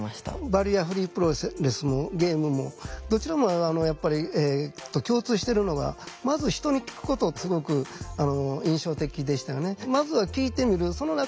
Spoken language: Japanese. バリアフリープロレスもゲームもどちらもやっぱり共通してるのがまず人に聞くことすごく印象的でしたよね。